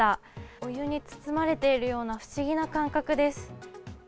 お湯に包まれているような、不思議な感覚です。